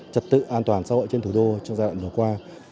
trật tự an toàn xã hội trên thủ đô trong giai đoạn vừa qua